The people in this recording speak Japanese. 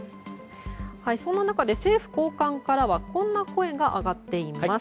そんな中、政府高官からはこんな声が上がっています。